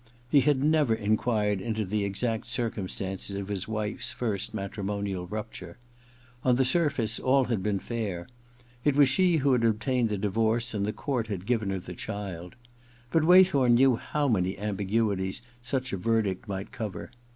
He had never enquired into the exact circumstances of his wife's first matri monial rupture. On the surface all had been fair. It was she who had obtained the divorce. IV THE OTHER TWO 65 and the court had given her the child. But Waythorn knew how many ambiguities such a verdict might cover.